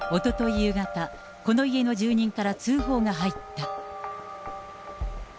夕方、この家の住人から通報が入った。